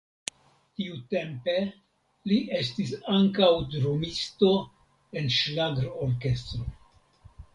Tiutempe li estis ankaŭ drumisto en ŝlagrorkestro.